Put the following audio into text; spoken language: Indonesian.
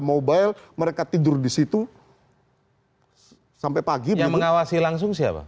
mobil mereka tidur di situ sampai pagi yang mengawasi langsung ya hitam belki's